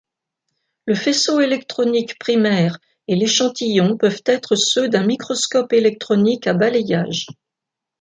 Le faisceau électronique primaire et l'échantillon peuvent être ceux d'un microscope électronique à balayage.